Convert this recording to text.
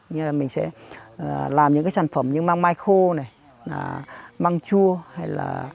như là mình sẽ làm những cái sản phẩm như măng mai khô này măng chua hay là